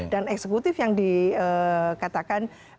dan eksekutif yang dikatakan